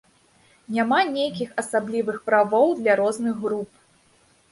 Няма нейкіх асаблівых правоў для розных груп.